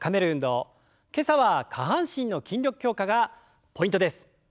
今朝は下半身の筋力強化がポイントです。